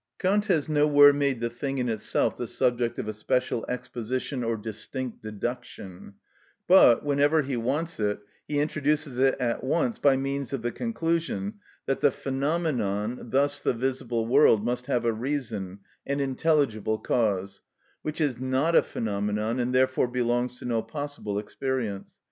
Kant has nowhere made the thing in itself the subject of a special exposition or distinct deduction; but, whenever he wants it, he introduces it at once by means of the conclusion that the phenomenon, thus the visible world, must have a reason, an intelligible cause, which is not a phenomenon, and therefore belongs to no possible experience.